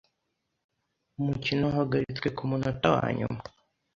Umukino wahagaritswe kumunota wanyuma.